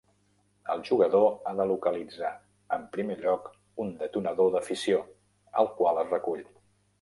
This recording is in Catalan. El jugador ha de localitzar en primer lloc un detonador de fissió, el qual es recull.